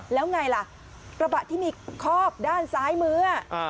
แล้วไงล่ะกระบะที่มีคอบด้านซ้ายมือ